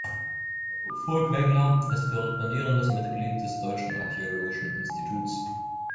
Furtwängler ist korrespondierendes Mitglied des Deutschen Archäologischen Instituts.